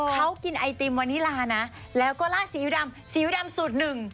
เขากินไอติมวานิลานะแล้วก็ลาดสีดำสีดำสูตรหนึ่ง